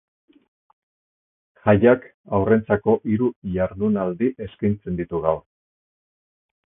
Jaiak haurrentzako hiru ihardunaldi eskaintzen ditu gaur.